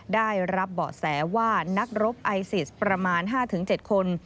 ได้รับเบาะแสว่านักรบไอซิสประมาณ๕๗คน